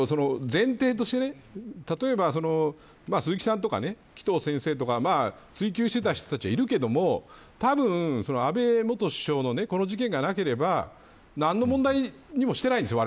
だけど、前提としてね例えば鈴木さんとか紀藤先生とか追及してた人たちはいるけどたぶんその安倍元首相のこの事件がなければ何の問題にもしていないんですよ